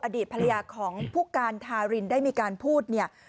อดีตภรรยาของผู้การทารินได้มีการพูดเนี่ย